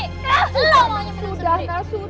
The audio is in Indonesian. sudah nah sudah malu dilihat orang